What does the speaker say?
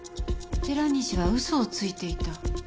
寺西は嘘をついていた。